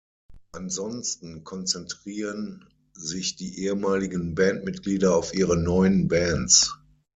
Ansonsten konzentrieren sich die ehemaligen Bandmitglieder auf ihre neuen Bands.